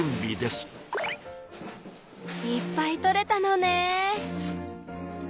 いっぱいとれたのね。